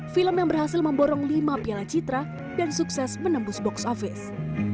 film yang berhasil memborong lima piala citra dan sukses menembus box office